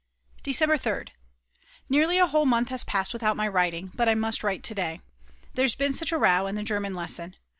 December 3rd. Nearly a whole month has passed without my writing, but I must write to day! There's been such a row in the German lesson!!